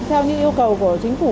theo những yêu cầu của chính phủ